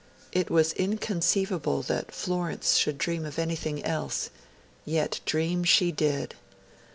It was inconceivable that Florence should dream of anything else; yet dream she did.